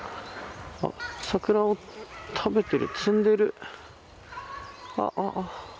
桜を食べてる、つんでる。